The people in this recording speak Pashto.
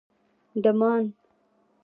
_ډمان